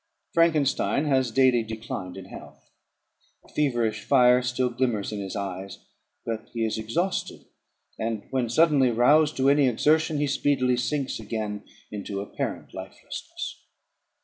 Frankenstein has daily declined in health: a feverish fire still glimmers in his eyes; but he is exhausted, and, when suddenly roused to any exertion, he speedily sinks again into apparent lifelessness.